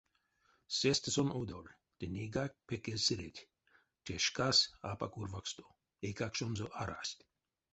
Сестэ сон одоль, ды нейгак пек эзь сыредть: те шкас апак урьваксто, эйкакшонзо арасть.